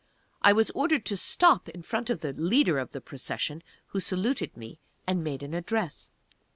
I was ordered to stop in front of the leader of the Procession, who saluted me, and made an address.